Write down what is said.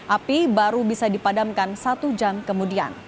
api baru bisa dipadamkan satu jam kemudian